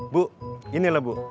bu ini lah bu